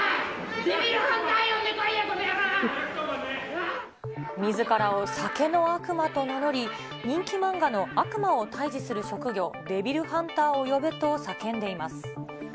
デビルハンみずからを酒の悪魔と名乗り、人気漫画の悪魔を退治する職業、デビルハンターを呼べと叫んでいます。